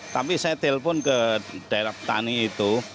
tapi saya telpon ke daerah petani itu